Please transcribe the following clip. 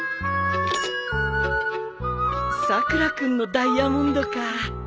☎さくら君のダイヤモンドか